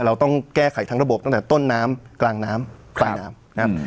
เราต้องแก้ไขทั้งระบบตั้งแต่ต้นน้ำกลางน้ำกลางน้ำนะครับ